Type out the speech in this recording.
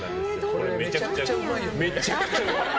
これ、めちゃくちゃうまい！